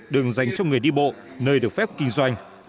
đường dành cho người đi bộ nơi được phép kinh doanh